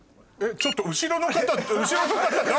ちょっと後ろの方。